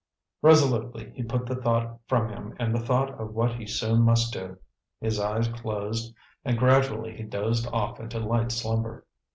Resolutely he put the thought from him and the thought of what he soon must do. His eyes closed and gradually he dozed off into light slumber.